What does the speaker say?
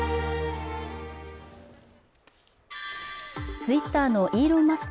ツイッターのイーロン・マスク